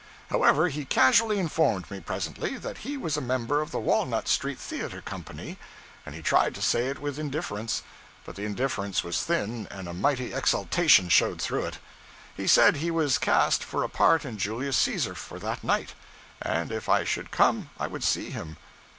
However, he casually informed me, presently, that he was a member of the Walnut Street theater company and he tried to say it with indifference, but the indifference was thin, and a mighty exultation showed through it. He said he was cast for a part in Julius Caesar, for that night, and if I should come I would see him.